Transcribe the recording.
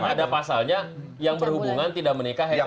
yang ada pasalnya yang berhubungan tidak menikah heteronim